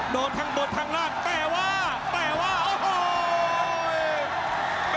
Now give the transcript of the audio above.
โดนทั้งบนข้างล่างแต่ว่าแต่ว่าโอ้โห